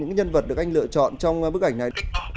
những nhân vật được anh lựa chọn trong bức ảnh này